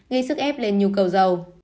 gây sức ép lên nhu cầu dầu